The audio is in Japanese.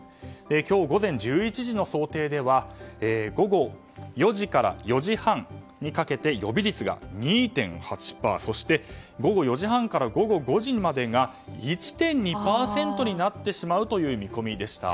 今日午前１１時の想定では午後４時から４時半にかけて予備率が２．８％そして午後４時半から５時までが１．２％になってしまうという見込みでした。